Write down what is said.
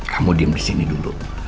kamu diam disini dulu